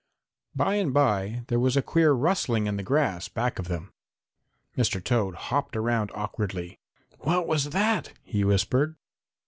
By and by there was a queer rustling in the grass back of them. Mr. Toad hopped around awkwardly. "What was that?" he whispered.